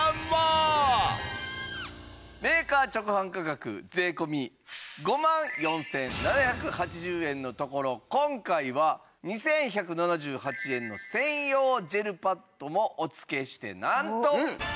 メーカー直販価格税込５万４７８０円のところ今回は２１７８円の専用ジェルパッドもお付けしてなんと。